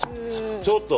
ちょっと。